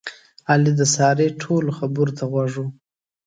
علي د سارې ټولو خبرو ته غوږ و.